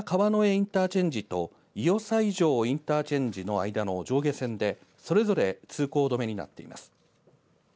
インターチェンジといよ西条インターチェンジの間の上下線で、それぞれ通行止めになっています。